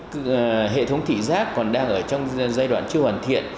cái hệ thống thị giác còn đang ở trong giai đoạn chưa hoàn thiện